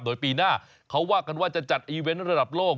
โดยปีหน้าเขาว่ากันว่าจะจัดอีเวนต์ระดับโลก